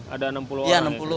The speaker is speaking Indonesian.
ada enam puluh orang